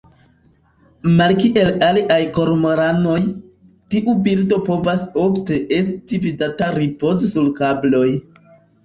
Malkiel aliaj kormoranoj, tiu birdo povas ofte esti vidata ripoze sur kabloj.